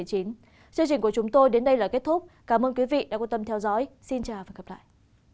chương trình của chúng tôi đến đây là kết thúc cảm ơn quý vị đã quan tâm theo dõi xin chào và hẹn gặp lại